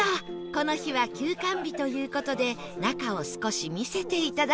この日は休館日という事で中を少し見せて頂けるみたい